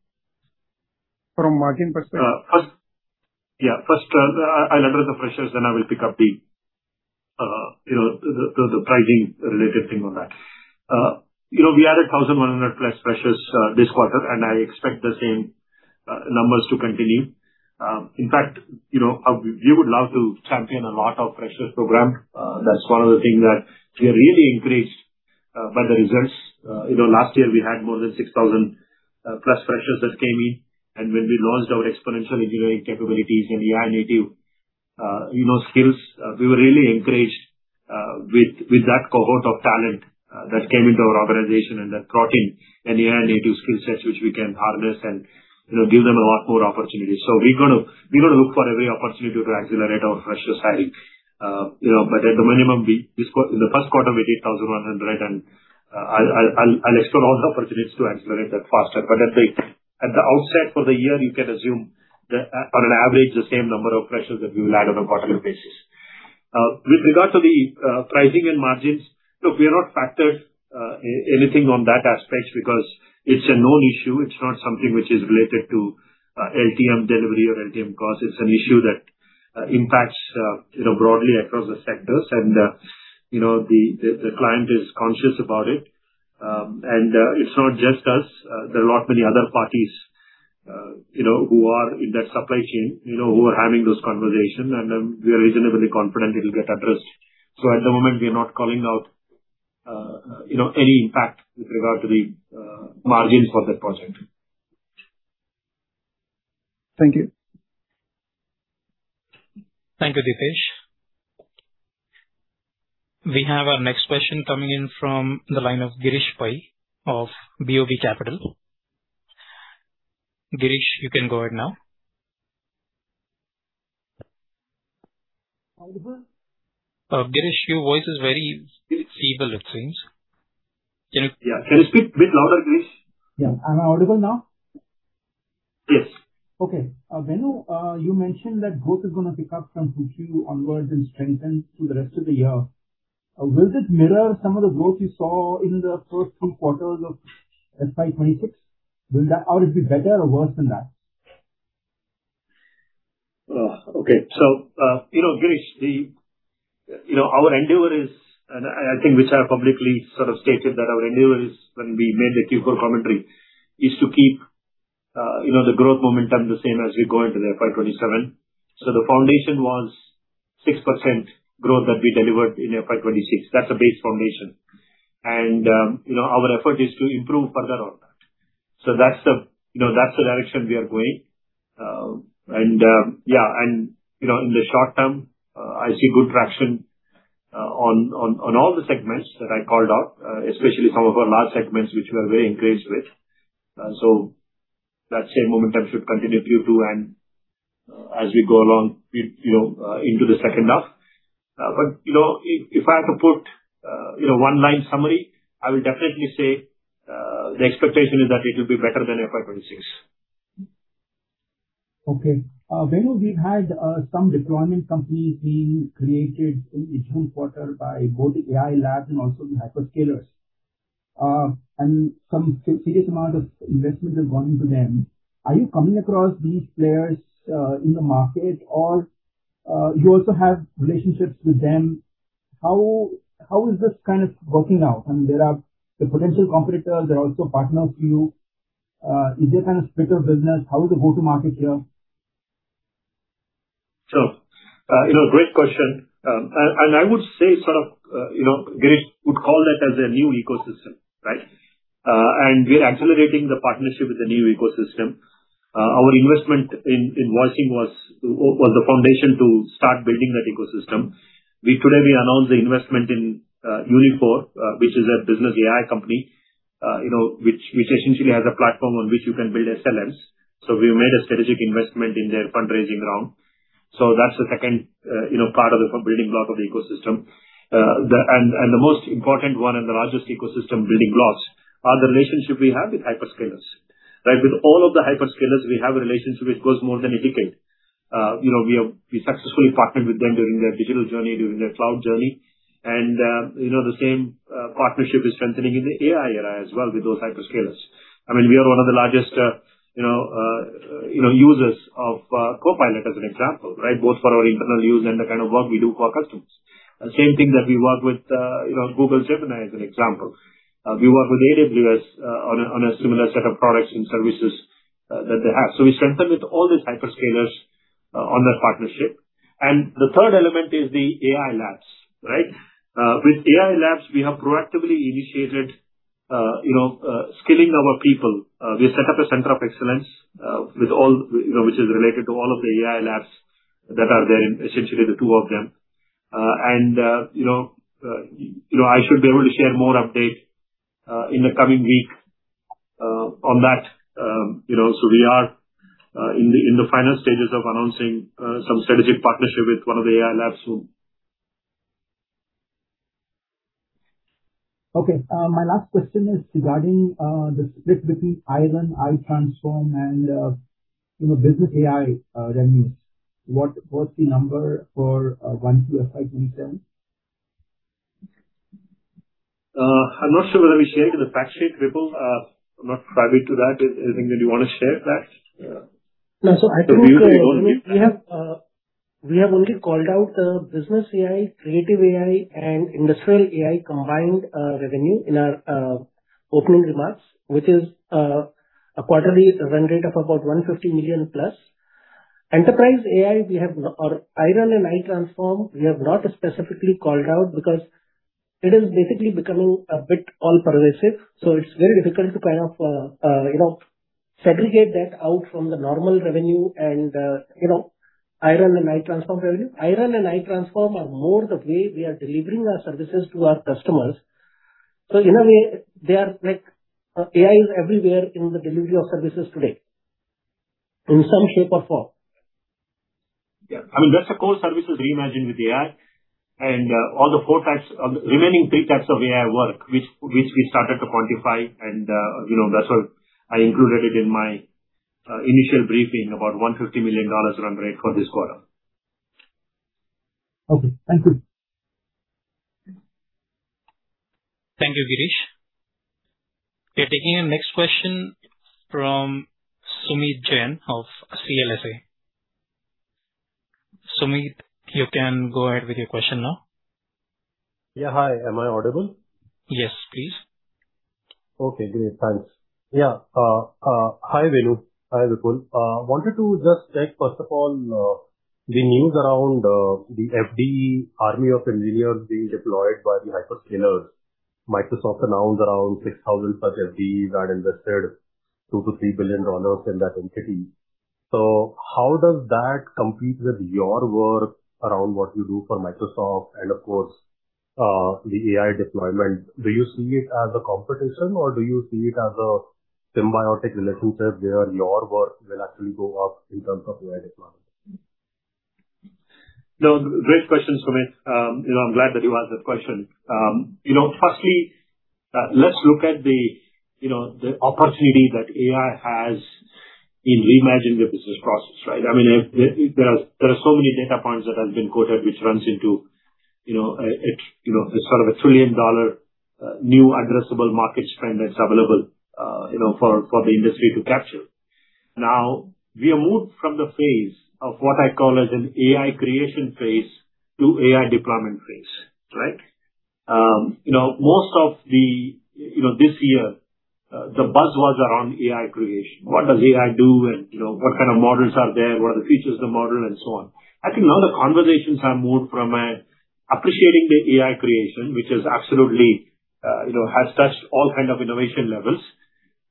Speaker 9: from margin perspective?
Speaker 3: Yeah. First, I'll address the freshers. I will pick up the pricing related thing on that. We added 1,100+ freshers this quarter. I expect the same numbers to continue. In fact, we would love to champion a lot of freshers program. That's one of the thing that we are really encouraged by the results. Last year we had more than 6,000+ freshers that came in. When we launched our exponential engineering capabilities and AI native skills, we were really encouraged with that cohort of talent that came into our organization and that brought in an AI native skill set which we can harness and give them a lot more opportunities. We're going to look for every opportunity to accelerate our fresher side. At the minimum, in the first quarter, we did 1,100. I'll explore all the opportunities to accelerate that faster. At the outset for the year, you can assume that on an average, the same number of freshers that we will add on a quarterly basis. With regard to the pricing and margins, look, we have not factored anything on that aspect because it's a known issue. It's not something which is related to LTM delivery or LTM cost. It's an issue that impacts broadly across the sectors. The client is conscious about it. It's not just us. There are lot many other parties who are in that supply chain, who are having those conversations. We are reasonably confident it will get addressed. At the moment, we are not calling out any impact with regard to the margins for that project.
Speaker 9: Thank you.
Speaker 1: Thank you, Dipesh. We have our next question coming in from the line of Girish Pai of BOB Capital. Girish, you can go ahead now.
Speaker 10: Audible?
Speaker 1: Girish, your voice is very feeble it seems.
Speaker 3: Yeah. Can you speak bit louder, Girish?
Speaker 10: Yeah. Am I audible now?
Speaker 3: Yes.
Speaker 10: Okay. Venu, you mentioned that growth is going to pick up from Q2 onwards and strengthen through the rest of the year. Will this mirror some of the growth you saw in the first two quarters of FY 2026? Will it be better or worse than that?
Speaker 3: Okay. Girish, our endeavor is, and I think we have publicly sort of stated that our endeavor is when we made the Q4 commentary, is to keep the growth momentum the same as we go into the FY 2027. The foundation was 6% growth that we delivered in FY 2026. That's a base foundation. Our effort is to improve further on that. That's the direction we are going. Yeah, in the short-term, I see good traction on all the segments that I called out, especially some of our large segments, which we are very encouraged with. That same momentum should continue Q2 and as we go along into the second half. If I have to put one-line summary, I will definitely say the expectation is that it'll be better than FY 2026.
Speaker 10: Okay. Venu, we've had some deployment companies being created in the June quarter by both AI labs and also the hyperscalers. Some serious amount of investment has gone into them. Are you coming across these players in the market or you also have relationships with them? How is this kind of working out? I mean, there are the potential competitors, they're also partners to you. Is there kind of split of business? How is the go-to-market here?
Speaker 3: Great question. I would say sort of Girish would call that as a new ecosystem, right? We are accelerating the partnership with the new ecosystem. Our investment in Voicing was the foundation to start building that ecosystem. Today, we announced the investment in Uniphore, which is a business AI company which essentially has a platform on which you can build SLMs. We made a strategic investment in their fundraising round. That's the second part of the building block of the ecosystem. The most important one and the largest ecosystem building blocks are the relationship we have with hyperscalers, right? With all of the hyperscalers, we have a relationship which goes more than a decade. We have successfully partnered with them during their digital journey, during their cloud journey. The same partnership is strengthening in the AI era as well with those hyperscalers. We are one of the largest users of Copilot as an example, both for our internal use and the kind of work we do for our customers. Same thing that we work with Google Gemini, as an example. We work with AWS on a similar set of products and services that they have. We strengthen with all the hyperscalers on that partnership. The third element is the AI labs. With AI labs, we have proactively initiated skilling our people. We have set up a center of excellence which is related to all of the AI labs that are there in essentially the two of them. I should be able to share more update in the coming week on that. We are in the final stages of announcing some strategic partnership with one of the AI labs soon.
Speaker 10: Okay. My last question is regarding the split between iRun, iTransform, and Business AI revenues. What's the number for FY 2027?
Speaker 3: I'm not sure whether we shared in the fact sheet, Vipul. I'm not privy to that. I think that you want to share that. Vipul, do you want to share that?
Speaker 4: We have only called out the Business AI, Creative AI, and Industrial AI combined revenue in our opening remarks, which is a quarterly run-rate of about $150 million+. Enterprise AI or iRun and iTransform, we have not specifically called out because it is basically becoming a bit all-pervasive. It's very difficult to segregate that out from the normal revenue and iRun and iTransform revenue. iRun and iTransform are more the way we are delivering our services to our customers. In a way, AI is everywhere in the delivery of services today in some shape or form.
Speaker 3: Yeah. That's the core services reimagined with AI and all the remaining three types of AI work, which we started to quantify, and that's why I included it in my initial briefing, about $150 million run-rate for this quarter.
Speaker 10: Okay. Thank you.
Speaker 1: Thank you, Girish. We're taking our next question from Sumeet Jain of CLSA. Sumeet, you can go ahead with your question now.
Speaker 11: Yeah. Hi. Am I audible?
Speaker 1: Yes, please.
Speaker 11: Okay, great. Thanks. Yeah. Hi, Venu. Hi, Vipul. Wanted to just check, first of all, the news around the FD army of engineers being deployed by the hyperscalers. Microsoft announced around 6,000 such FDs and invested $2 billion-$3 billion in that entity. How does that compete with your work around what you do for Microsoft and of course, the AI deployment? Do you see it as a competition or do you see it as a symbiotic relationship where your work will actually go up in terms of AI deployment?
Speaker 3: No, great question, Sumeet. I'm glad that you asked that question. Firstly, let's look at the opportunity that AI has in reimagining the business process, right? There are so many data points that have been quoted, which runs into a sort of a trillion-dollar new addressable market trend that's available for the industry to capture. Now, we have moved from the phase of what I call as an AI creation phase to AI deployment phase, right? Most of this year, the buzz was around AI creation. What does AI do, and what kind of models are there? What are the features of the model, and so on. I think now the conversations have moved from appreciating the AI creation, which absolutely has touched all kind of innovation levels,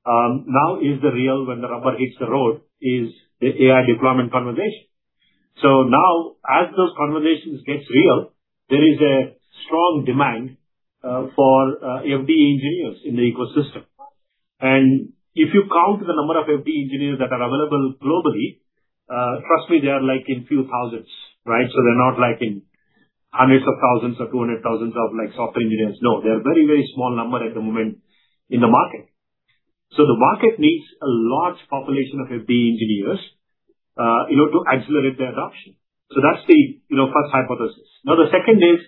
Speaker 3: now when the rubber hits the road is the AI deployment conversation. As those conversations get real, there is a strong demand for FD engineers in the ecosystem. If you count the number of FD engineers that are available globally, trust me, they are in few thousands, right? They are not in 100,000 or 200,000 of software engineers. No. They are very small number at the moment in the market. The market needs a large population of FD engineers to accelerate the adoption. That's the first hypothesis. Now, the second is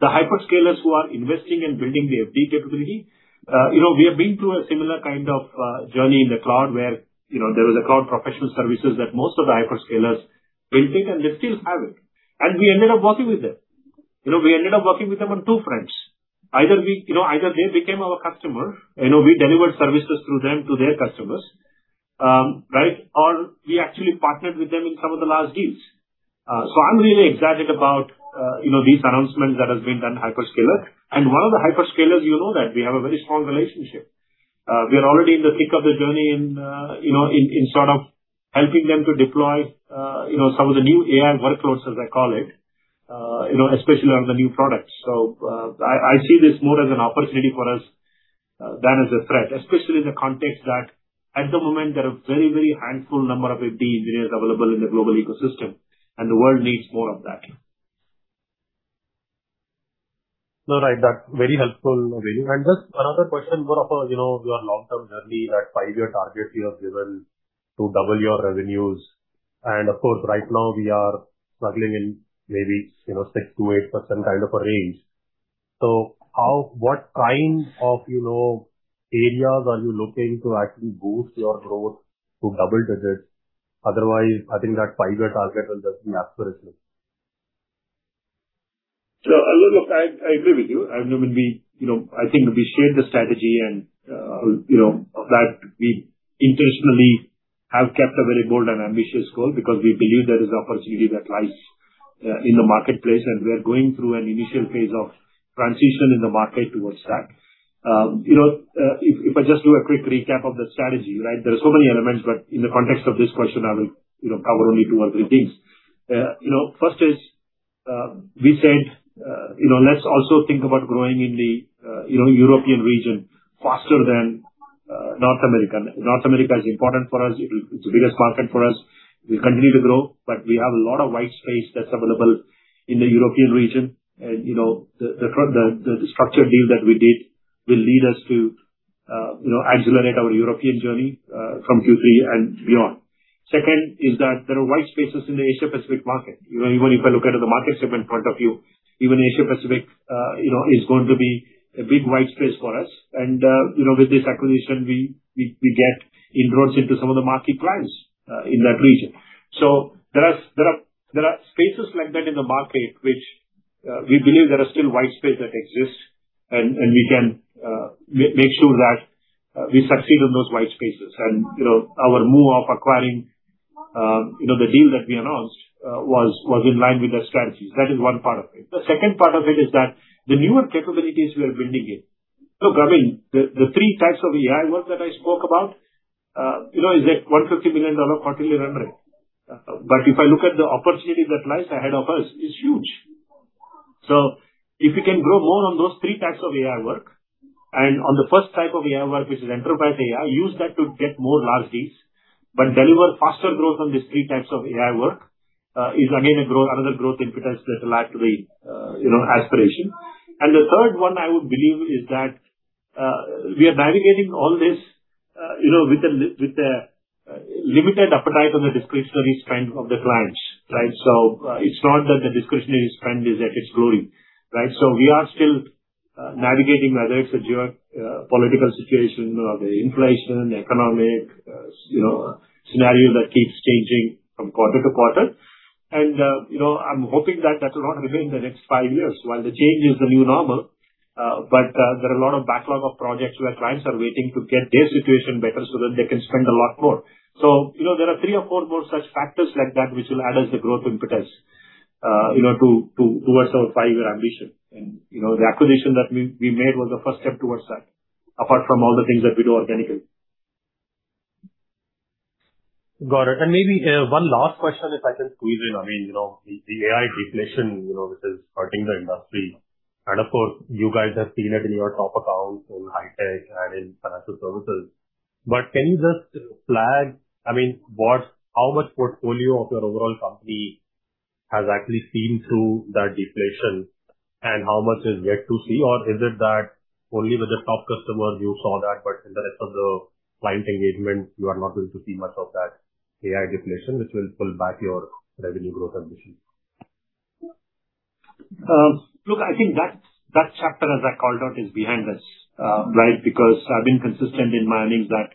Speaker 3: the hyperscalers who are investing in building the FD capability. We have been through a similar kind of journey in the cloud where there was a cloud professional services that most of the hyperscalers built it, and they still have it. We ended up working with them. We ended up working with them on two fronts. Either they became our customer, we delivered services through them to their customers. We actually partnered with them in some of the large deals. I'm really excited about these announcements that has been done, hyperscaler. One of the hyperscalers you know that we have a very strong relationship. We are already in the thick of the journey in sort of helping them to deploy some of the new AI workloads, as I call it, especially around the new products. I see this more as an opportunity for us than as a threat, especially in the context that at the moment, there are very handful number of FD engineers available in the global ecosystem, and the world needs more of that.
Speaker 11: No, right. That's very helpful, Venu. Just another question for you. You are long-term journey, that five-year target you have given to double your revenues. Of course, right now we are struggling in maybe 6%-8% kind of a range. What kind of areas are you looking to actually boost your growth to double-digits? Otherwise, I think that five-year target will just be aspirational.
Speaker 3: Look, I agree with you. I think we shared the strategy, of that, we intentionally have kept a very bold and ambitious goal because we believe there is opportunity that lies in the marketplace, and we are going through an initial phase of transition in the market towards that. If I just do a quick recap of the strategy, there are so many elements, but in the context of this question, I will cover only two or three things. First is, we said let's also think about growing in the European region faster than North America. North America is important for us. It's the biggest market for us. We continue to grow, but we have a lot of white space that's available in the European region. The structured deal that we did will lead us to accelerate our European journey from Q3 and beyond. Second is that there are white spaces in the Asia-Pacific market. Even if I look at the market segment point of view, even Asia-Pacific is going to be a big white space for us. With this acquisition, we get inroads into some of the market clients in that region. There are spaces like that in the market, which we believe there are still white space that exists, and we can make sure that we succeed in those white spaces. Our move of acquiring the deal that we announced was in line with the strategies. That is one part of it. The second part of it is that the newer capabilities we are building in. Look, I mean, the three types of AI work that I spoke about is a $150 million quarterly run-rate. If I look at the opportunity that lies ahead of us, it's huge. If we can grow more on those three types of AI work, and on the first type of AI work, which is Enterprise AI, use that to get more large deals, but deliver faster growth on these three types of AI work, is again another growth impetus that will add to the aspiration. The third one, I would believe, is that we are navigating all this with the limited appetite on the discretionary spend of the clients. It's not that the discretionary spend is at its glory. We are still navigating whether it's a geopolitical situation or the inflation, economic scenario that keeps changing from quarter-to-quarter. I'm hoping that that will not remain the next five years while the change is the new normal. There are a lot of backlog of projects where clients are waiting to get their situation better so that they can spend a lot more. There are three or four more such factors like that which will add as the growth impetus towards our five-year ambition. The acquisition that we made was the first step towards that, apart from all the things that we do organically.
Speaker 11: Got it. Maybe one last question, if I can squeeze in. I mean, the AI deflation which is hurting the industry. Of course, you guys have seen it in your top accounts in high-tech and in financial services. Can you just flag, how much portfolio of your overall company has actually seen through that deflation, and how much is yet to see? Or is it that only with the top customers you saw that, but in the rest of the client engagement, you are not going to see much of that AI deflation which will pull back your revenue growth ambition?
Speaker 3: Look, I think that chapter, as I called out, is behind us. I've been consistent in my earnings that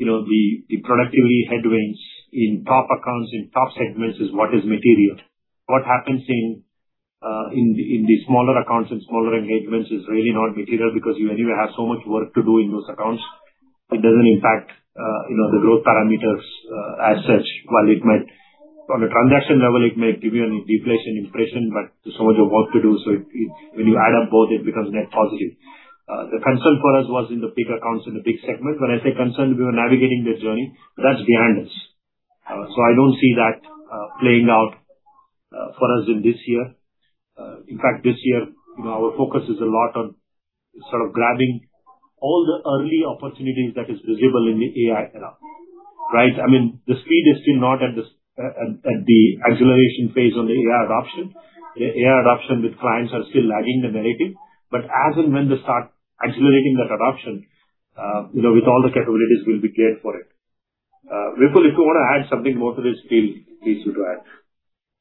Speaker 3: the productivity headwinds in top accounts, in top segments is what is material. What happens in the smaller accounts and smaller engagements is really not material because you anyway have so much work to do in those accounts. It doesn't impact the growth parameters as such. While on a transaction level it may give you a deflation impression, but there's so much of work to do, so when you add up both, it becomes net positive. The concern for us was in the big accounts, in the big segment. When I say concern, we were navigating this journey. That's behind us. I don't see that playing out for us in this year. In fact, this year, our focus is a lot on sort of grabbing all the early opportunities that is visible in the AI era. I mean, the speed is still not at the acceleration phase on the AI adoption. AI adoption with clients are still lagging the narrative, but as and when they start accelerating that adoption, with all the capabilities, we'll be geared for it. Vipul, if you want to add something more to this, feel free to add.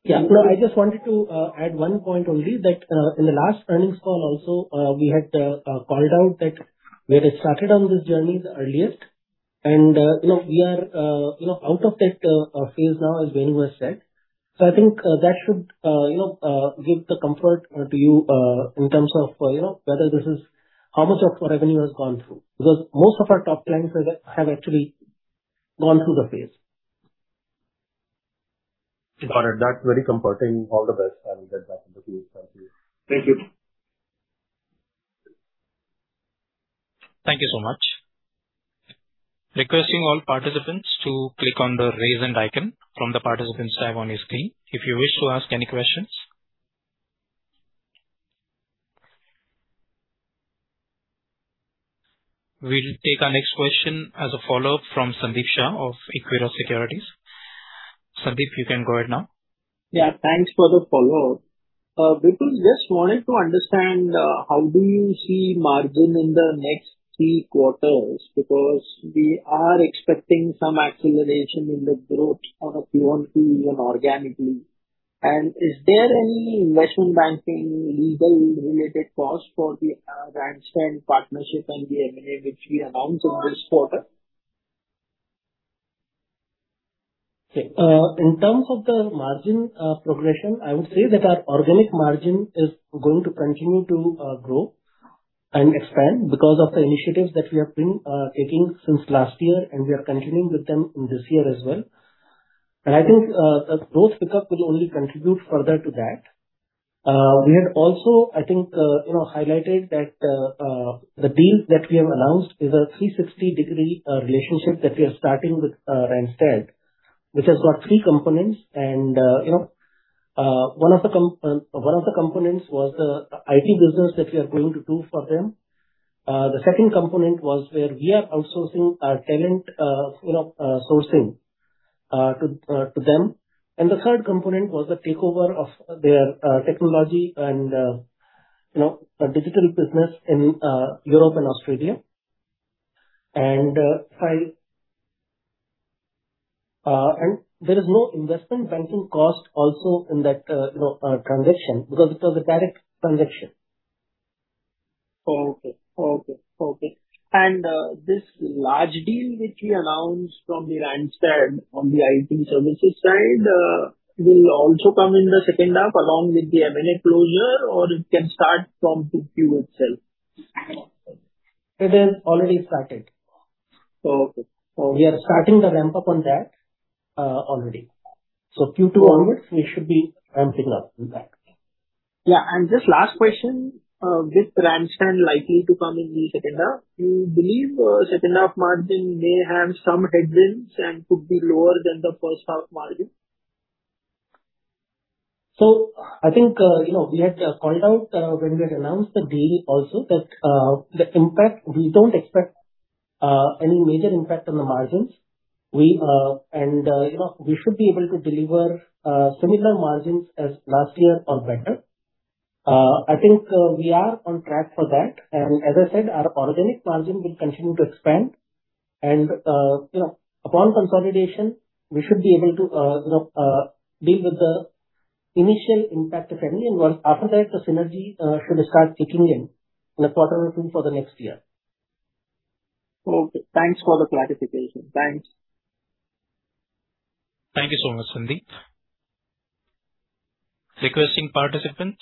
Speaker 4: Yeah. I just wanted to add one point only that in the last earnings call also, we had called out that we had started on this journey the earliest, and we are out of that phase now, as Venu has said. I think that should give the comfort to you in terms of how much of revenue has gone through. Most of our top clients have actually gone through the phase.
Speaker 11: Got it. That's very comforting. All the best, and we'll get back on the queue. Thank you.
Speaker 4: Thank you.
Speaker 1: Thank you so much. Requesting all participants to click on the raise hand icon from the Participants tab on your screen if you wish to ask any questions. We will take our next question as a follow-up from Sandeep Shah of Equirus Securities. Sandeep, you can go ahead now.
Speaker 8: Yeah, thanks for the follow-up. Vipul, just wanted to understand, how do you see margin in the next three quarters? Because we are expecting some acceleration in the growth Q on Q, even organically. Is there any investment banking legal-related cost for the Randstad partnership and the M&A which we announced in this quarter?
Speaker 4: Okay. In terms of the margin progression, I would say that our organic margin is going to continue to grow and expand because of the initiatives that we have been taking since last year, and we are continuing with them in this year as well. I think growth pickup will only contribute further to that. We had also, I think, highlighted that the deal that we have announced is a 360-degree relationship that we are starting with Randstad, which has got three components. One of the components was the IT business that we are going to do for them. The second component was where we are outsourcing our talent sourcing to them. The third component was the takeover of their technology and digital business in Europe and Australia. There is no investment banking cost also in that transaction because it was a direct transaction.
Speaker 8: Okay. This large deal which we announced from the Randstad on the IT services side will also come in the second half along with the M&A closure or it can start from Q2 itself?
Speaker 4: It has already started.
Speaker 8: Oh, okay.
Speaker 4: We are starting the ramp-up on that already. Q2 onwards, we should be ramping-up with that.
Speaker 8: Just last question, with Randstad likely to come in the second half, do you believe second half margin may have some headwinds and could be lower than the first half margin?
Speaker 4: I think we had called out when we had announced the deal also that the impact, we don't expect any major impact on the margins. We should be able to deliver similar margins as last year or better. I think we are on track for that. As I said, our organic margin will continue to expand and upon consolidation, we should be able to deal with the initial impact if any, and once after that, the synergy should start kicking in the quarter run through for the next year.
Speaker 8: Okay. Thanks for the clarification. Thanks.
Speaker 1: Thank you so much, Sandeep. Requesting participants,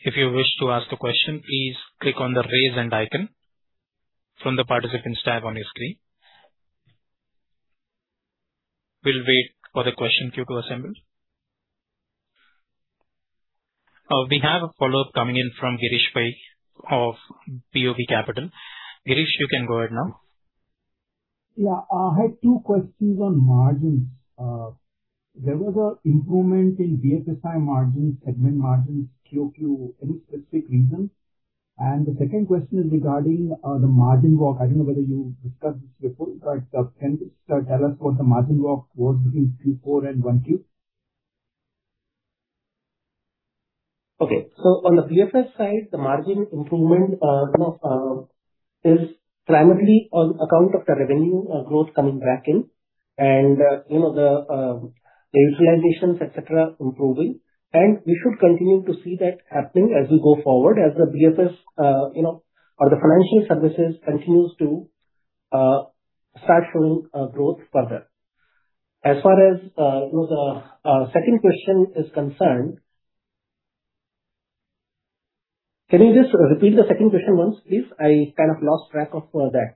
Speaker 1: if you wish to ask a question, please click on the Raise Hand icon from the Participants tab on your screen. We'll wait for the question queue to assemble. We have a follow-up coming in from Girish Pai of BOB Capital. Girish, you can go ahead now.
Speaker 10: Yeah. I had two questions on margins. There was an improvement in BFSI margin, segment margins QoQ. Any specific reason? The second question is regarding the margin walk. I don't know whether you discussed this before, but can you just tell us what the margin walk was between Q4 and Q1?
Speaker 4: Okay. On the BFSI side, the margin improvement is primarily on account of the revenue growth coming back in and the utilizations, et cetera, improving. We should continue to see that happening as we go forward as the BFSI or the financial services continues to start showing growth further. As far as the second question is concerned, can you just repeat the second question once, please? I kind of lost track of that.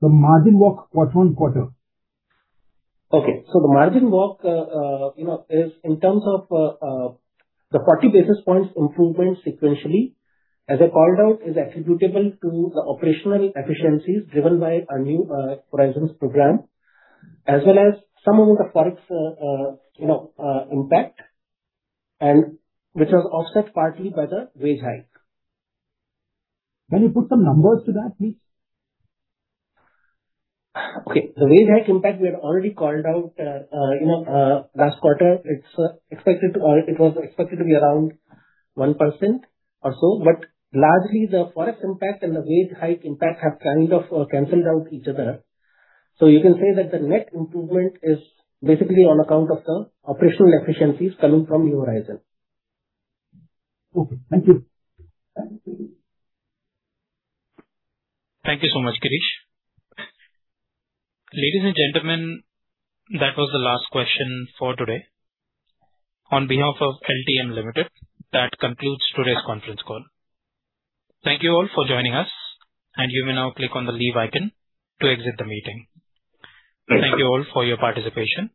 Speaker 10: The margin walk quarter-on-quarter.
Speaker 4: Okay. The margin walk is in terms of the 40 basis points improvement sequentially, as I called out, is attributable to the operational efficiencies driven by our New Horizons program, as well as some amount of Forex impact, which was offset partly by the wage hike.
Speaker 10: Can you put some numbers to that, please?
Speaker 4: Okay. The wage hike impact we had already called out last quarter. It was expected to be around 1% or so, but largely the Forex impact and the wage hike impact have kind of canceled out each other. You can say that the net improvement is basically on account of the operational efficiencies coming from New Horizon.
Speaker 10: Okay. Thank you.
Speaker 1: Thank you so much, Girish. Ladies and gentlemen, that was the last question for today. On behalf of LTM Limited, that concludes today's conference call. Thank you all for joining us, and you may now click on the Leave icon to exit the meeting. Thank you all for your participation.